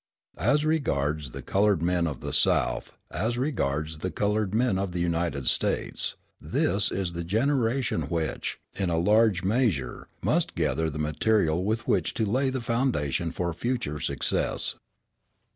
As regards the coloured men of the South, as regards the coloured men of the United States, this is the generation which, in a large measure, must gather the material with which to lay the foundation for future success.